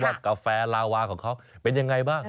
กาแฟลาวาของเขาเป็นยังไงบ้าง